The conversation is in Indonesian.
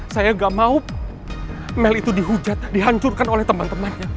saya gak mau mel itu dihujat dihancurkan oleh teman temannya